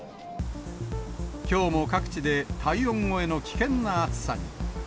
きょうも各地で体温超えの危険な暑さに。